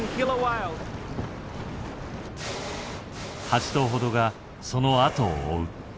８頭程がそのあとを追う。